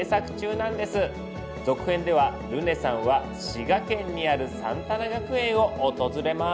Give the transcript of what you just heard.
続編ではルネさんは滋賀県にあるサンタナ学園を訪れます。